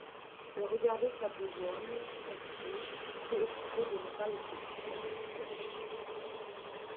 Elle regardait sa besogne, penchée, préoccupée de ne pas laisser une place sèche.